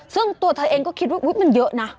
ซึ่งตัวเธอเองก็คิดว่ามันเยอะนะ